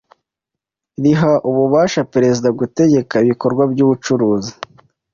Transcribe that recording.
riha ububasha perezida gutegeka ibikorwa by'ubucuruzi